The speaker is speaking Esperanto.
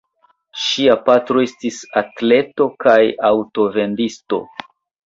Ŝia patro estis atleto kaj aŭtovendisto.